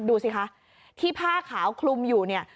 ดูสิคะที่ผ้าขาวคลุมอยู่เนี่ย